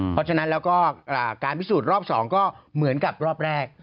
เพราะฉะนั้นแล้วก็การพิสูจน์รอบ๒ก็เหมือนกับรอบแรก